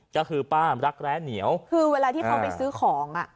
ก็คือป้ารักแร้เหนียวคือเวลาที่เขาไปซื้อของอ่ะ